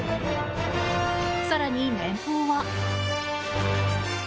更に年俸は。